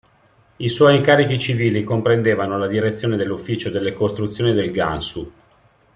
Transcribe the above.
I suoi incarichi civili comprendevano la direzione dell'Ufficio delle costruzioni del Gansu.